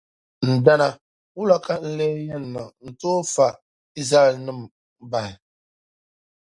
Ndana, wula ka n lee yɛn niŋ n-tooi fa Izraɛlnima bahi?